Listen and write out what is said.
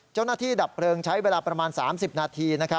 เจ้าหน้าที่ดับเปลืองใช้เวลาประมาณ๓๐นาที